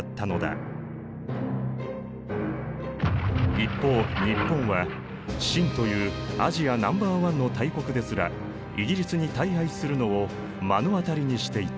一方日本は清というアジアナンバーワンの大国ですらイギリスに大敗するのを目の当たりにしていた。